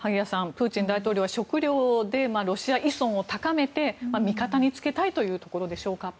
プーチン大統領は食糧でロシア依存を高めて味方につけたいというところでしょうか。